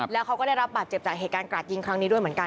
แล้วเขาก็ได้รับบาดเจ็บจากเหตุการณ์กราดยิงครั้งนี้ด้วยเหมือนกัน